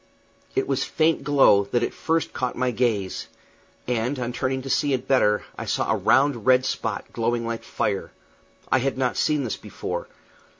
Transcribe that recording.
It was faint glow that at first caught my gaze; and, on turning to see it better, I saw a round red spot glowing like fire. I had not seen this before.